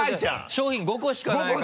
賞品５個しかないから。